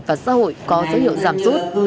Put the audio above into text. và xã hội có giới hiệu giảm rút